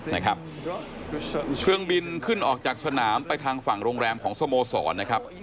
นะครับเครื่องบินขึ้นออกจากสนามไปทางฝั่งโรงแรมของสโมสรนะครับ